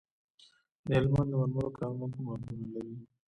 د هلمند د مرمرو کانونه کوم رنګونه لري؟